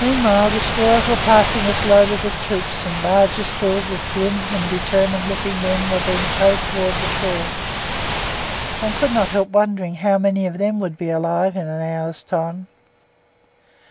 Meanwhile destroyers were passing us loaded with troops, and barges filled with grim and determined looking men were being towed towards the shore. One could not help wondering how many of them would be alive in an hour's time.